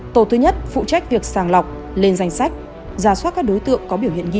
tổ thứ nhất phụ trách việc sàng lọc lên danh sách giả soát các đối tượng có biểu hiện nghi